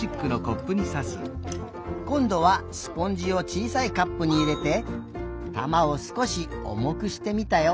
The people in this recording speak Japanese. こんどはスポンジをちいさいカップにいれて玉をすこしおもくしてみたよ。